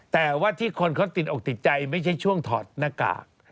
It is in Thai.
แต่ว่าที่คนเขาติดอกติดใจไม่ใช่ช่วงถอดหน้ากาก